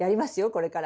これから。